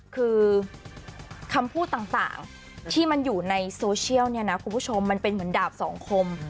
คือคำพูดต่างที่มันอยู่ในโซเชียลเนี่ยนะคุณผู้ชมมันเป็นเหมือนดาบสองคม